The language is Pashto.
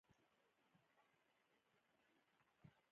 دوی هڅه وکړه چې د ډیموکراسۍ مصنوعي نسخه وکاروي.